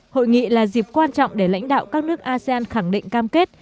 hội nghị là dịp quan trọng để lãnh đạo các nước asean khẳng định cam kết